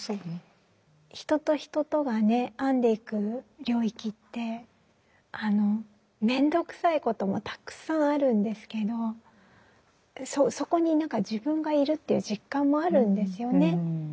人と人とがね編んでいく領域ってめんどくさいこともたくさんあるんですけどそこに何か自分がいるという実感もあるんですよね。